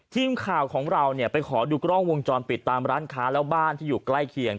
ทีมข่าวของเราเนี่ยไปขอดูกล้องวงจรปิดตามร้านค้าแล้วบ้านที่อยู่ใกล้เคียง